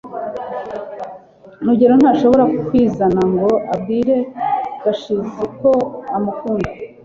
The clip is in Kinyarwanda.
rugeyo ntashobora kwizana ngo abwire gashinzi ko amukunda